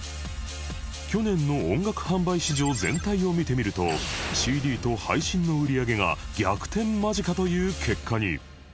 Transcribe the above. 去年の音楽販売市場全体を見てみると ＣＤ と配信の売り上げが逆転間近という結果に